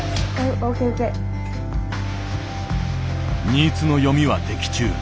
新津の読みは的中。